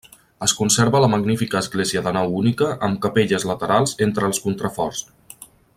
Es conserva la magnífica església de nau única, amb capelles laterals entre els contraforts.